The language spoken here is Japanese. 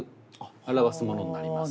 表すものになります。